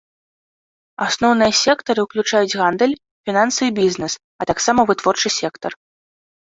Асноўныя сектары ўключаюць гандаль, фінансы і бізнес, а таксама вытворчы сектар.